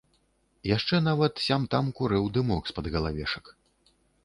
Яшчэ нават сям-там курэў дымок з-пад галавешак.